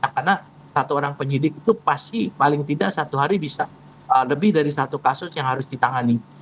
karena satu orang penyidik itu pasti paling tidak satu hari bisa lebih dari satu kasus yang harus ditangani